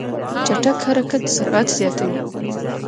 چټک حرکت سرعت زیاتوي.